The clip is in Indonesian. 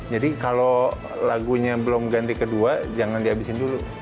jadi kalau lagunya belum ganti kedua jangan dihabisin dulu